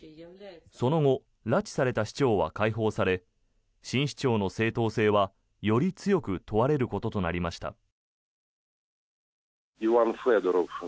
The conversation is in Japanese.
その後拉致された市長は解放され新市長の正当性はより強く問われることとなりました。